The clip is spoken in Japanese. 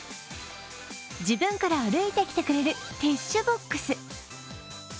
自分から歩いてきてくれるティッシュボックス。